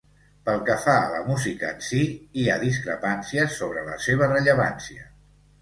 Pel que fa a la música en si, hi ha discrepàncies sobre la seva rellevància.